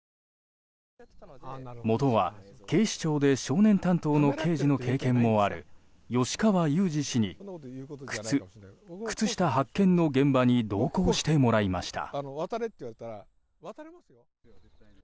元は警視庁で少年担当の刑事の経験もある吉川祐二氏に靴、靴下発見の現場に同行してもらいました。